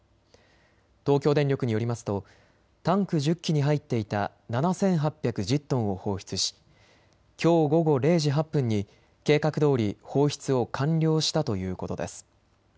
東京電力によりますとタンク１０基に入っていた７８１０トンを放出しきょう午後０時８分に計画どおり放出を完了したということです。